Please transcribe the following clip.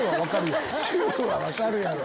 チューは分かるやろ。